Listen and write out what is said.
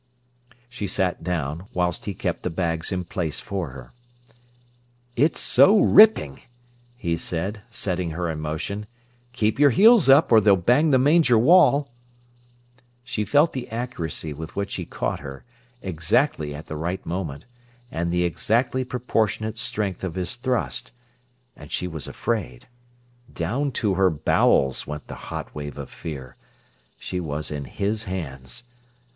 She sat down, whilst he kept the bags in place for her. "It's so ripping!" he said, setting her in motion. "Keep your heels up, or they'll bang the manger wall." She felt the accuracy with which he caught her, exactly at the right moment, and the exactly proportionate strength of his thrust, and she was afraid. Down to her bowels went the hot wave of fear. She was in his hands.